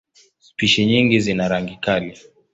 Spishi nyingi zina rangi kali.